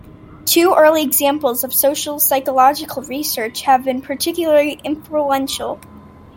Two early examples of social psychological research have been particularly influential.